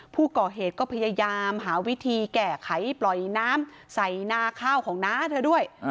ผู้ก่อเหตุก็พยายามหาวิธีแก้ไขปล่อยน้ำใส่หน้าข้าวของน้าเธอด้วย